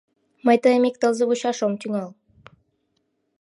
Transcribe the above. Мый тыйым ик тылзе вучаш ом тӱҥал.